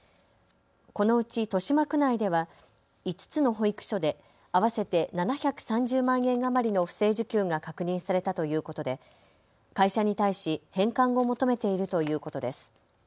このうち豊島区内では５つの保育所で合わせて７３０万円余りの不正受給が確認されたということで会社に対し返還を求めているということです。